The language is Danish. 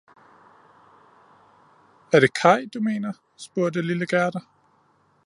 Er det kay, du mener, spurgte lille gerda